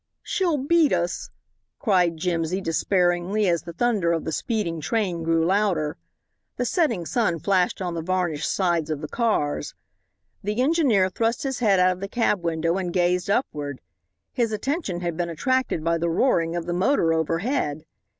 "She'll beat us," cried Jimsy, despairingly, as the thunder of the speeding train grew louder. The setting sun flashed on the varnished sides of the cars. The engineer thrust his head out of the cab window and gazed upward. His attention had been attracted by the roaring of the motor overhead.